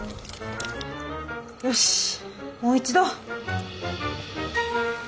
よしもう一度。